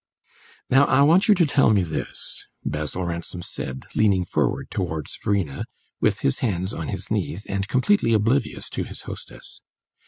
"Now, I want you to tell me this," Basil Ransom said, leaning forward towards Verena, with his hands on his knees, and completely oblivious to his hostess.